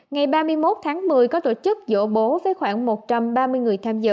ngày ba mươi một tháng một mươi có tổ chức dỗ bố với khoảng một trăm ba mươi người tham dự